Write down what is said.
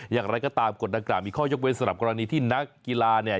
อย่างไรก็ตามกฎดังกล่ามีข้อยกเว้นสำหรับกรณีที่นักกีฬาเนี่ย